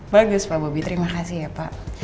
bagus pak bobi terima kasih ya pak